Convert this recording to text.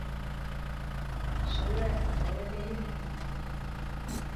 Шәүрә, Шәүрәкәйем минең!